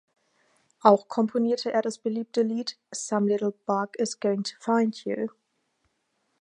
Auch komponierte er das beliebte Lied "Some Little Bug is Going to Find You".